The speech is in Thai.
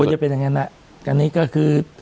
จะเป็นอย่างนั้นอันนี้ก็คือ